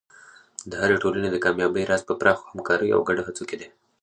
د هرې ټولنې د کامیابۍ راز په پراخو همکاریو او ګډو هڅو کې دی.